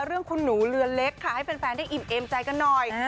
เรื่องคุณหนูเรือเล็กค่ะให้แฟนได้อิ่มเอมใจกันหน่อย